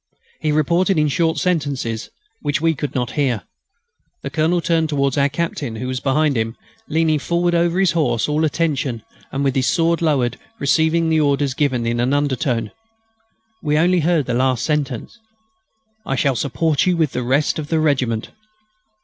He reported in short sentences, which we could not hear. The Colonel turned towards our Captain, who was behind him, leaning forward over his horse, all attention, with his sword lowered, receiving the orders given in an undertone. We only heard the last sentence: "I shall support you with the rest of the regiment."